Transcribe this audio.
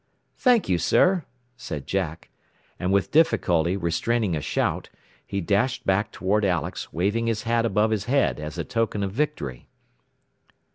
"Thank you, sir," said Jack. And with difficulty restraining a shout, he dashed back toward Alex, waving his hat above his head as a token of victory.